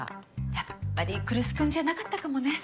やっぱり来栖君じゃなかったかもね。